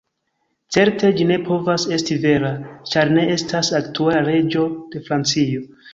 Certe ĝi ne povas esti vera, ĉar ne estas aktuala reĝo de Francio.